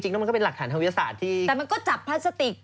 จริงแล้วมันก็เป็นหลักฐานธวิทยาศาสตร์ที่